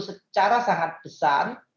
secara sangat besar